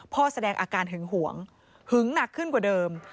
แสดงอาการหึงหวงหึงหนักขึ้นกว่าเดิม